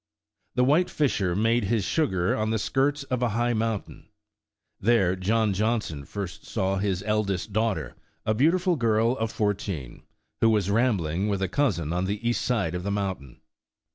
The "White Fisher" made his sugar on the skirts of a high mountain. There John Johnson first saw his eldest daughter, a beautiful girl of fourteen, who was rambling with a cousin on the east side of the moun tain.